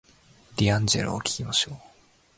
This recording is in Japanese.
ディアンジェロを聞きましょう